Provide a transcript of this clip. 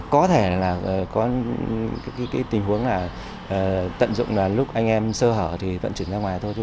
có thể là có cái tình huống là tận dụng là lúc anh em sơ hở thì vận chuyển ra ngoài thôi